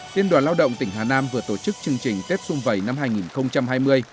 liên đoàn lao động tỉnh hà nam vừa tổ chức chương trình tết xuân vầy năm hai nghìn hai mươi